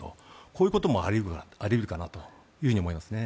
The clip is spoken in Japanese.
こういうこともあり得るかなと思いますね。